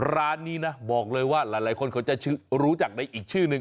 ร้านนี้นะบอกเลยว่าหลายคนเขาจะรู้จักในอีกชื่อนึง